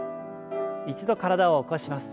一度体を起こします。